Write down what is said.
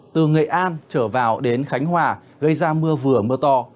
từ nghệ an trở vào đến khánh hòa gây ra mưa vừa mưa to